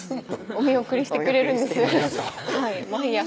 お見送りしてくれるんですよ毎朝？